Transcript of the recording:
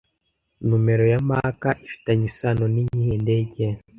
Numero ya Mac ifitanye isano niyihe ndege